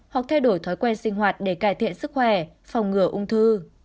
hoặc thay đổi thói quen sinh hoạt để cải thiện sức khỏe phòng ngừa ung thư